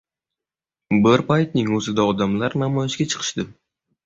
bir paytning o‘zida odamlar namoyishga chiqishdi